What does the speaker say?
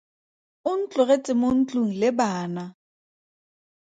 O ntlogetse mo ntlong le bana.